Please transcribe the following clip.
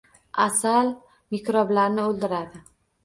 Asal mikroblarni o‘ldiradi.